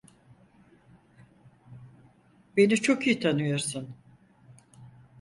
Beni çok iyi tanıyorsun.